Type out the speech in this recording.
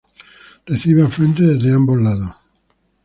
Recibe afluentes desde ambos lados.